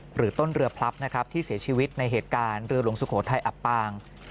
หรือต้นเรือพลับนะครับที่เสียชีวิตในเหตุการณ์เรือหลวงสุโขทัยอับปาง